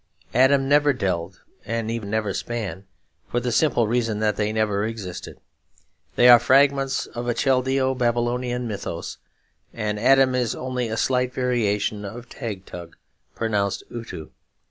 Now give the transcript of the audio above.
'Adam never delved and Eve never span, for the simple reason that they never existed. They are fragments of a Chaldeo Babylonian mythos, and Adam is only a slight variation of Tag Tug, pronounced Uttu.